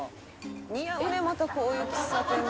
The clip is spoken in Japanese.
「似合うねまたこういう喫茶店が」